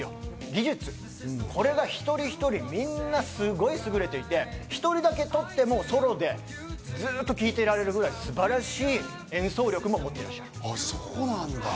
技術、これが一人一人、みんなすごい、すぐれていて、１人だけとってもソロでずっと聴いていられるくらい素晴らしい演奏力も持っていらっしゃる。